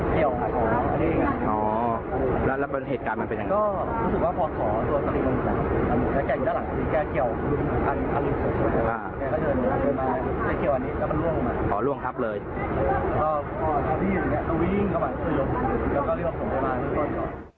พี่อะไรก็รีบวิ่งเข้ามาเทอมธุรกิจแล้วก็เรียบศพของพยาบาลก่อน